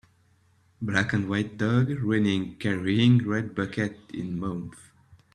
Black and white dog running carrying red bucket in mouth.